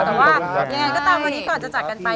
แต่ว่ายังไงก็ตามวันนี้ก่อนจะจัดกันไป